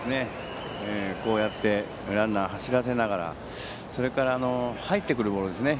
こうやってランナーを走らせながらそれから入ってくるボールですね。